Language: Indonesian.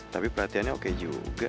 tapi perhatiannya oke juga